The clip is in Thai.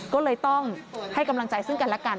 ก็เลยต้องให้กำลังใจซึ่งกันและกัน